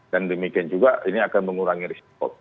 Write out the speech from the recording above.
dan demikian juga ini akan mengurangi risk